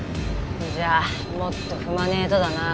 じゃあもっと踏まねぇとだな。